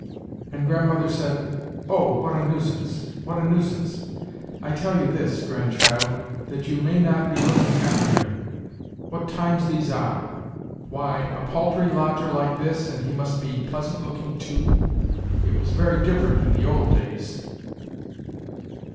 And grandmother said :' Oh, what a nuisance, what a nuisance ! I tell you this, grand chlid, that you may not be looking after him. What times these are ! Why a paltry lodger like this, and he must be pleasant looking too ; it was very different in the old days